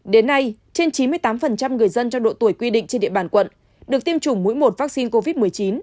đến nay trên chín mươi tám người dân trong độ tuổi quy định trên địa bàn quận được tiêm chủng mũi một vaccine covid một mươi chín